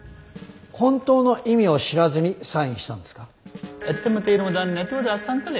本当の意味を知らずにサインしたんですか？